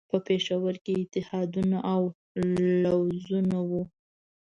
په پېښور کې اتحادونه او لوزونه وو.